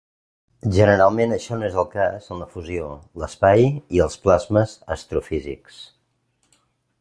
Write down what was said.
Generalment això no és el cas en la fusió, l'espai i els plasmes astrofísics.